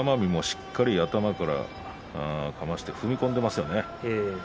しっかり頭からかまして踏み込んでいますよね。